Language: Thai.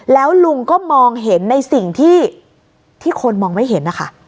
แล้วลุงก็มองเห็นในสิ่งที่คนมองไม่เห็นนะคะ